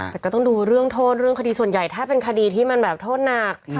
แต่ก็ต้องดูเรื่องโทษเรื่องคดีส่วนใหญ่ถ้าเป็นคดีที่มันแบบโทษหนัก